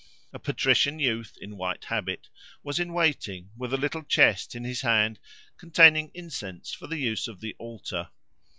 A patrician youth, in white habit, was in waiting, with a little chest in his hand containing incense for the use of the altar.